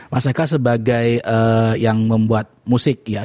mas eka sebagai yang membuat musik ya